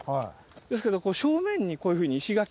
ですけど正面にこういうふうに石垣の。